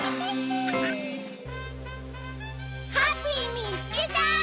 ハッピーみつけた！